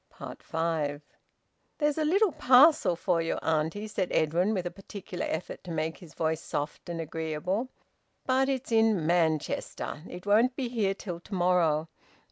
FIVE. "There's a little parcel for you, auntie," said Edwin, with a particular effort to make his voice soft and agreeable. "But it's in Manchester. It won't be here till to morrow.